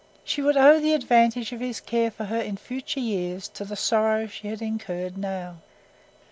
She would owe the advantage of his care for her in future years to the sorrow she had incurred now.